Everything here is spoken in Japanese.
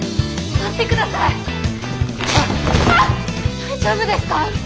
大丈夫ですか？